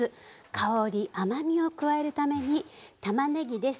香り甘みを加えるためにたまねぎです。